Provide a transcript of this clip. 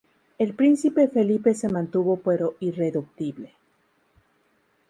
El príncipe Felipe se mantuvo, pero irreductible.